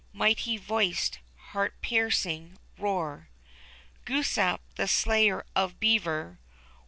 Mighty voiced, heart piercing roar. Glooskap, the slayer of beaver.